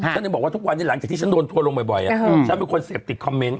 ฉันยังบอกว่าทุกวันนี้หลังจากที่ฉันโดนทัวร์ลงบ่อยฉันเป็นคนเสพติดคอมเมนต